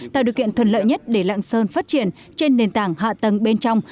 tạo điều kiện thuận lợi nhất để lạng sơn phát triển trên nền tảng hạ tầng bên trong